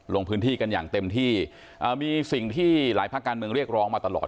ลงพื้นที่กันอย่างเต็มที่มีสิ่งที่หลายภาคการเมืองเรียกร้องมาตลอด